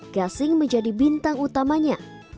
gasing menjadi bintang utamanya